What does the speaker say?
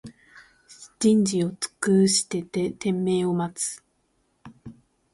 じんじをつくしててんめいをまつ